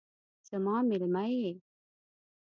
زما میلمه یې